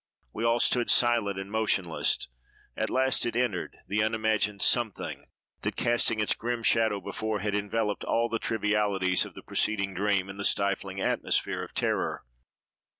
We all stood silent and motionless. At last IT entered—the unimagined something, that, casting its grim shadow before, had enveloped all the trivialities of the preceding dream in the stifling atmosphere of terror.